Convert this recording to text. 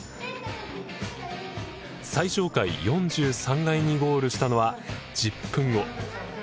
最上階４３階にゴールしたのは１０分後。